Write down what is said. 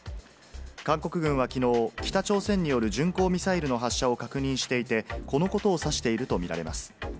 韓国軍はきのう、北朝鮮による巡航ミサイルの発射を確認していて、このことを指していると見られます。